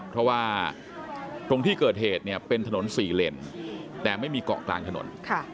เพราะว่าตรงที่เกิดเหตุเนี่ยเป็นถนน๔เลนแต่ไม่มีเกาะกลางถนน